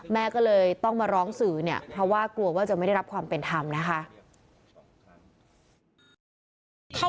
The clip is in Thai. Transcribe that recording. แม่ก็เลยต้องมาร้องสื่อเนี่ยเพราะว่ากลัวว่าจะไม่ได้รับความเป็นธรรมนะคะ